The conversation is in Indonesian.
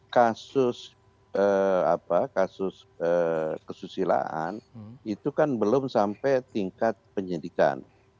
kasus kesusilaan itu kan belum sampai tingkat penyidikan